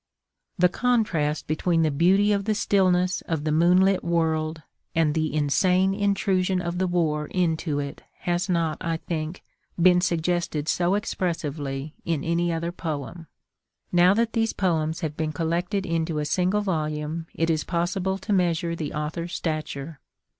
The contrast between the beauty of the stillness of the moonlit world and the insane intrusion of the war into it has not, I think, been suggested so expressively in any other poem. Now that these poems have been collected into a single volume it is possible to measure the author's stature.